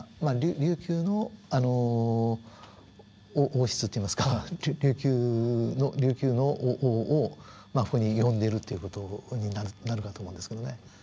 琉球の王室といいますか琉球の王をここに呼んでいるという事になるかと思うんですけどね。